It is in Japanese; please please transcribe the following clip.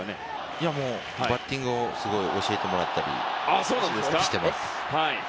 バッティングを教えてもらったりよくしています。